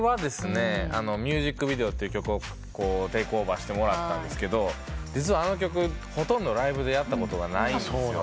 僕は『ＭＵＳＩＣＶＩＤＥＯ』という曲をテイクオーバーしてもらったんですけど実はあの曲ほとんどライブでやったことがないんです。